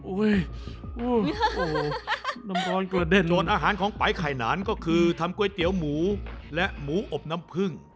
โอ้โหน้ำร้อนกระเด้นนวลอาหารของปลายไข่นานก็คือทำก๋วยเตี๋ยวหมูและหมูอบน้ำพึ่ง